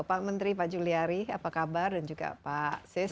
pak menteri pak juliari apa kabar dan juga pak sis